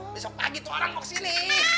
besok pagi tuh orang mau kesini